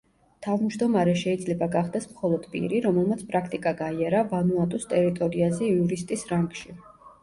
თავმჯდომარე შეიძლება გახდეს მხოლოდ პირი, რომელმაც პრაქტიკა გაიარა ვანუატუს ტერიტორიაზე იურისტის რანგში.